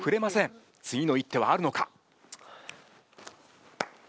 次の一手はあるのか？